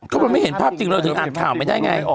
ก็ไม่เห็นภาพจริงเลยถึงอัดข่าวไม่ได้ไง